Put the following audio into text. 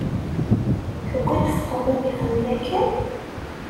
Tewwi-d ɣef Tom ad yexdem akken?